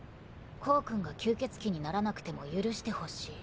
コウ君が吸血鬼にならなくても許してほしい。